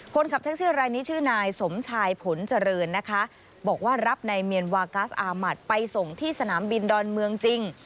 คนขับแท็กซี่รายนี้ชื่อนายสมชายผลเจริญนะคะบอกว่ารับนายเมียนวากัสอามัติไปส่งที่สนามบินดอนเมืองจริง